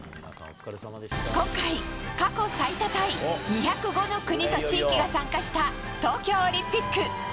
今回、過去最多タイ２０５の国と地域が参加した東京オリンピック。